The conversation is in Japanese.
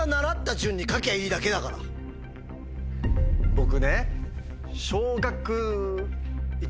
僕ね。